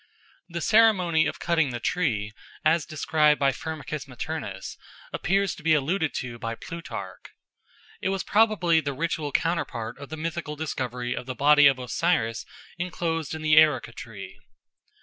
The ceremony of cutting the tree, as described by Firmicus Maternus, appears to be alluded to by Plutarch. It was probably the ritual counterpart of the mythical discovery of the body of Osiris enclosed in the erica tree.